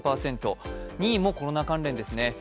２位もコロナ関連ですね。